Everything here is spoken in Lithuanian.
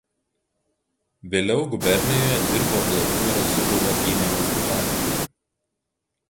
Vėliau Gubernijoje dirbo Vladimiro Zubovo įmonės buhalteriu.